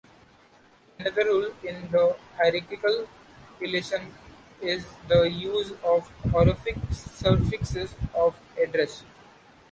Another rule in the hierarchical relation is the use of honorific suffixes of address.